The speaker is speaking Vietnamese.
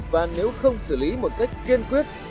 và nếu không xử lý một cách kiên quyết